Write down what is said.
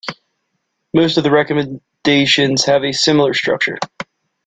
Most of the recommendations have a similar structure.